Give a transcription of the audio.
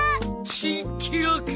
新記録。